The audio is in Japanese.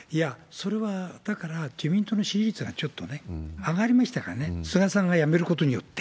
それはだから、自民党の支持率がちょっとね、上がりましたからね、菅さんが辞めることによって。